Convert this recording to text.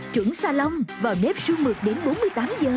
chuẩn xa lông vào nếp sương mực đến bốn mươi tám h